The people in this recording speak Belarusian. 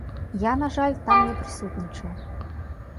Я, на жаль, там не прысутнічаў.